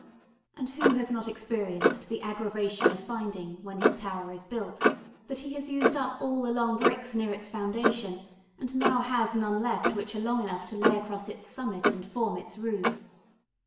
And who has not experienced the aggravation of finding when his tower is built that he has used up all the long bricks near its foundation and has now none left which are long enough to lay across its summit and form its roof?